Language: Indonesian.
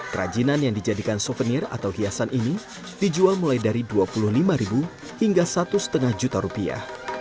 kerajinan yang dijadikan souvenir atau hiasan ini dijual mulai dari rp dua puluh lima hingga rp satu lima juta